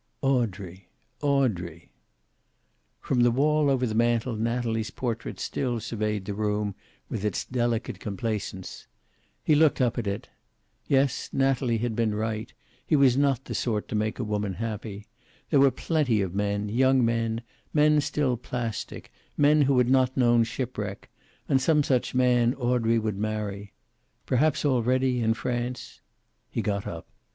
Audrey! Audrey! From the wall over the mantel Natalie's portrait still surveyed the room with its delicate complacence. He looked up at it. Yes, Natalie had been right, he was not the sort to make a woman happy. There were plenty of men, young men, men still plastic, men who had not known shipwreck, and some such man Audrey would marry. Perhaps already, in France He got up.